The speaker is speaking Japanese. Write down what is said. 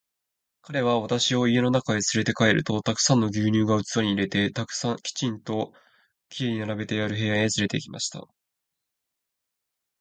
彼は私を家の中へつれて帰ると、たくさんの牛乳が器に入れて、きちんと綺麗に並べてある部屋へつれて行きました。